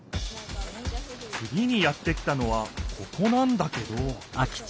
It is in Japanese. つぎにやって来たのはここなんだけどどう？